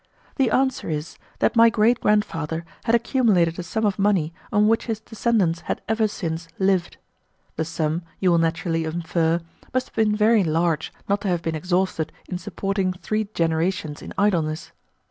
The answer is that my great grandfather had accumulated a sum of money on which his descendants had ever since lived. The sum, you will naturally infer, must have been very large not to have been exhausted in supporting three generations in idleness.